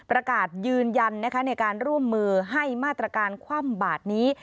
ประกาศยืนยันนะคะในการร่วมมือให้มาตรการคว่ำบาดนี้